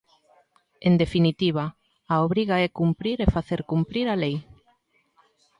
En definitiva, a obriga é cumprir e facer cumprir a lei.